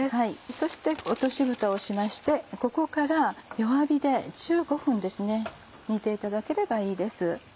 そして落としぶたをしましてここから弱火で１５分ですね煮ていただければいいです。